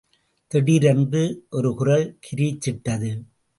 திடீரென்று, ஒரு குரல் கிரீச்சிட்டது.